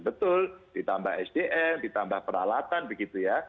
betul ditambah sdm ditambah peralatan begitu ya